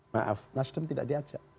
maaf nasdem tidak diajak